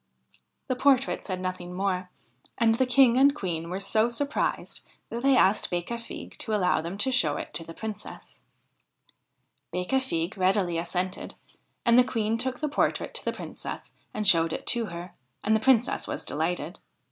The portrait said nothing more, and the King and the Queen were so surprised that they asked Becafigue to allow them to show it to the Princess. THE HIND OF THE WOOD Becafigue readily assented and the Queen took the portrait to the Princess and showed it to her ; and the Princess was delighted.